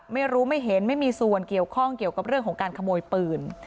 ไม่รู้ไม่เห็นไม่มีส่วนเกี่ยวข้องเกี่ยวกับเรื่องของการขโมยปืน